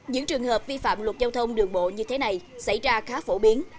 những trường hợp vi phạm luật giao thông đường bộ như thế này xảy ra khá phổ biến